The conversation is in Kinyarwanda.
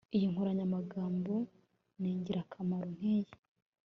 Iyi nkoranyamagambo ningirakamaro nkiyi